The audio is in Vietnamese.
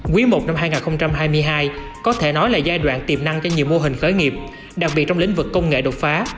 quý i năm hai nghìn hai mươi hai có thể nói là giai đoạn tiềm năng cho nhiều mô hình khởi nghiệp đặc biệt trong lĩnh vực công nghệ đột phá